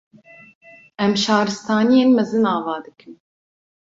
Em Şaristaniyên mezin ava dikin